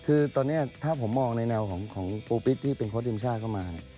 คือตอนนี้ถ้าผมมองในแนวของปูปิ๊กที่เป็นโค้ดทีมชาติเข้ามา